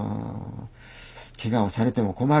「けがをされても困るし」。